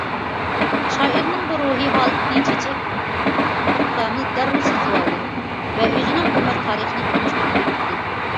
شائىرنىڭ بۇ روھىي ھالىتىنى چېچەن پىركامىل دەررۇ سېزىۋالدى ۋە ئۆزىنىڭ ئۆمۈر تارىخىنى تونۇشتۇرۇپ ئۆتتى.